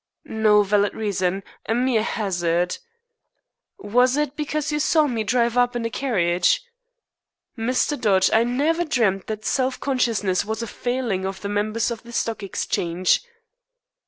"No valid reason. A mere hazard." "Was it because you saw me drive up in a carriage?" "Mr. Dodge, I never dreamt that self consciousness was a failing of the members of the Stock Exchange."